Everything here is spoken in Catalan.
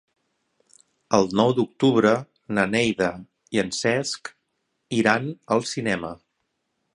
El nou d'octubre na Neida i en Cesc iran al cinema.